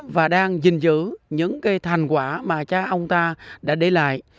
và đang dình giữ những cái thành quả mà cha ông ta đã để lại